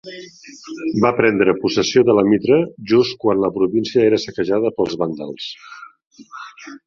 Va prendre possessió de la mitra just quan la província era saquejada pels vàndals.